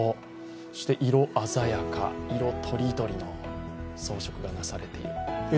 色鮮やか、色とりどりの装飾がなされている。